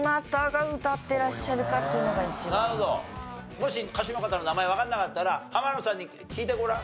もし歌手の方の名前わかんなかったら浜野さんに聞いてごらん。